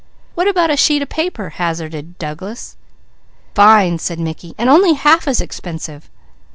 "What about a sheet of paper?" hazarded Douglas. "Fine!" said Mickey, "and only half as expensive."